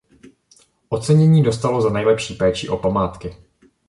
Ocenění dostalo za nejlepší péči o památky.